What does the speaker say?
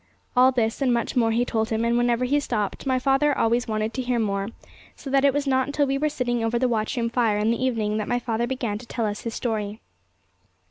All this and much more he told him; and whenever he stopped, my father always wanted to hear more, so that it was not until we were sitting over the watchroom fire in the evening that my father began to tell us his story.